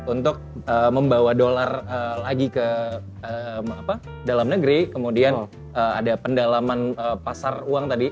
untuk membawa dolar lagi ke dalam negeri kemudian ada pendalaman pasar uang tadi